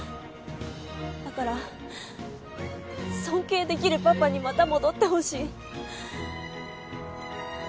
だから尊敬できるパパにまた戻ってほしい。